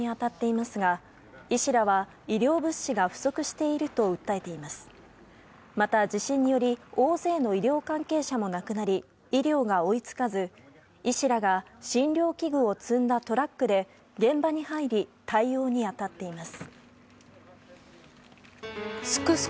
また、地震により大勢の医療関係者も亡くなり医療が追い付かず医師らが診療器具を積んだトラックで現場に入り対応に当たっています。